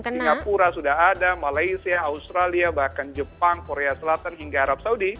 singapura sudah ada malaysia australia bahkan jepang korea selatan hingga arab saudi